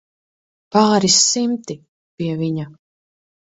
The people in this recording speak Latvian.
Pāris simti, pie viņa.